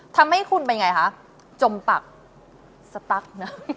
ทำให้คุณเป็นไงคะจมปักสตั๊กนะ